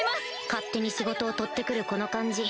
勝手に仕事を取って来るこの感じ